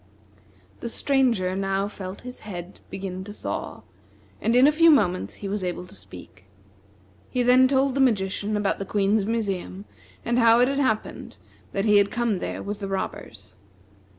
The Stranger now felt his head begin to thaw, and in a few moments he was able to speak. He then told the magician about the Queen's museum, and how it had happened that he had come there with the robbers.